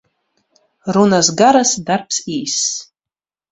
Runas garas, darbs īss.